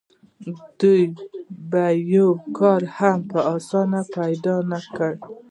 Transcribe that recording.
دوی به یو کار هم په اسانۍ پیدا نه کړي